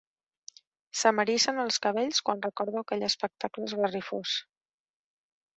Se m'ericen els cabells quan recordo aquell espectacle esgarrifós.